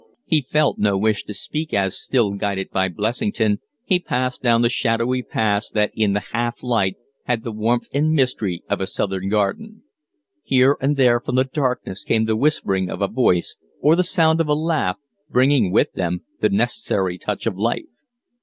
He felt no wish to speak as, still guided by Blessington, he passed down the shadowy paths that in the half light had the warmth and mystery of a Southern garden. Here and there from the darkness came the whispering of a voice or the sound of a laugh, bringing with them the necessary touch of life.